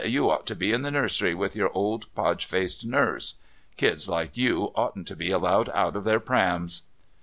You ought to be in the nursery with your old podge faced nurse. Kids like you oughtn't to be allowed out of their prams."